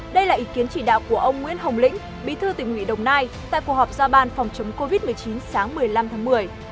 đây là ý kiến chỉ đạo của ông nguyễn hồng lĩnh bí thư tỉnh ủy đồng nai tại cuộc họp giao ban phòng chống covid một mươi chín sáng một mươi năm tháng một mươi